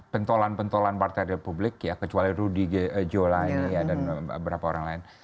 pentolan pentolan partai republik ya kecuali rudy jolani dan beberapa orang lain